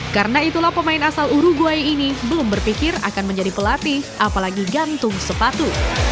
karena itulah pemain asal uruguay ini belum berpikir akan menjadi pelatih apalagi gantung sepatu